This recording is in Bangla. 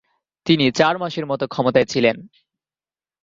তিনি চার মাসের মত ক্ষমতায় ছিলেন।